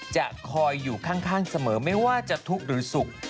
จะคอยอยู่ข้างเสมอไม่ว่าจะทุกข์หรือสุข